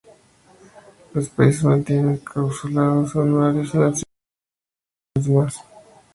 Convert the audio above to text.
Los países mantienen consulados honorarios en las ciudades capitales de los demás.